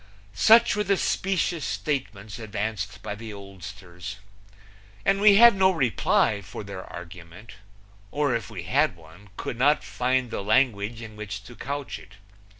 Such were the specious statements advanced by the oldsters. And we had no reply for their argument, or if we had one could not find the language in which to couch it.